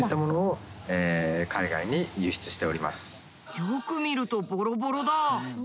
よく見るとボロボロだ。